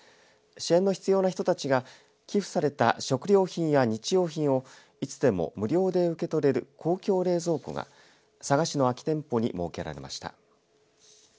支援の必要な人たちが寄付された食料品や日用品をいつでも無料で受け取れる公共冷蔵庫が佐賀市の空き店舗に設けられました。